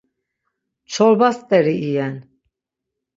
Çorba st̆eri iyen.